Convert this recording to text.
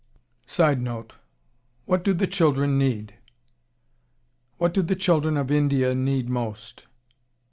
[Sidenote: What do the children need?] "What do the children of India most need?"